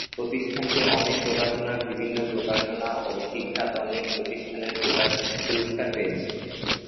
প্রতিষ্ঠানটির অনেক প্রকাশনা বিভিন্ন প্রকাশনা ও শিক্ষায়তনিক প্রতিষ্ঠানের পুরস্কার পেয়েছে।